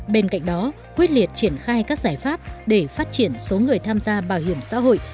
bên cạnh đó quyết liệt triển khai các giải pháp để phát triển số người tham gia bảo hiểm xã hội